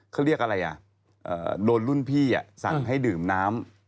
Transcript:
เขาเรียกอะไรอ่ะโดนรุ่นพี่สั่งให้ดื่มน้ำ